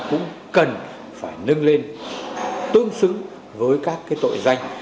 chúng ta cũng cần phải nâng lên tương xứng với các cái tội danh